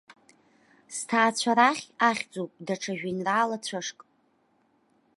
Сҭаацәа рахь ахьӡуп даҽа жәеинраала цәышк.